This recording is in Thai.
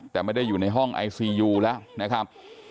แต่ไม่ได้อยู่ในห้องไอซียูแล้วนะครับ